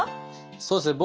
そうですね